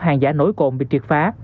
hàng giả nổi cộm bị triệt phá